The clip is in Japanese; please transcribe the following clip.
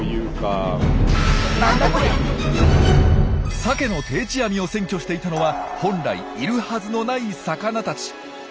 サケの定置網を占拠していたのは本来いるはずのない魚たち。